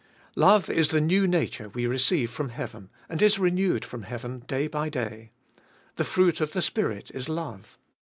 2. Love is the new nature we receive from heaven, and Is renewed from heaven day by day. The fruit of the Spirit is love.